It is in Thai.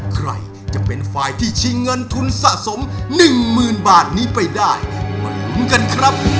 ใครจะเป็นฝ่ายที่ชิงเงินทุนสะสมหนึ่งหมื่นบาทนี้ไปได้มาลุ้นกันครับ